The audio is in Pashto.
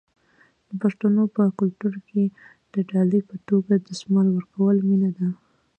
د پښتنو په کلتور کې د ډالۍ په توګه دستمال ورکول مینه ده.